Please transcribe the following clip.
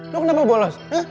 lu kenapa bolos